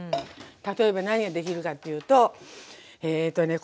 例えば何ができるかっていうとえとね